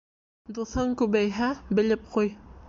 Дуҫың күбәйһә белеп ҡуй: